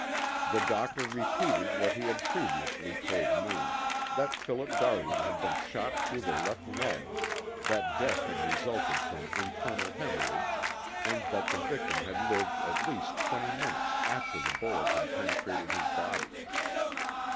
The doctor repeated what he had previously told me, that Philip Darwin had been shot through the left lung, that death had resulted from internal hemorrhage, and that the victim had lived at least twenty minutes after the bullet had penetrated his body.